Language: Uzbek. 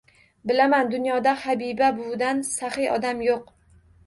Bilaman, dunyoda Habiba buvidan saxiy odam yo‘q.